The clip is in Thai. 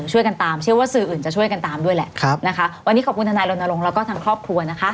ช่วยกันตามเชื่อว่าสื่ออื่นจะช่วยกันตามด้วยแหละครับนะคะวันนี้ขอบคุณทนายรณรงค์แล้วก็ทางครอบครัวนะคะ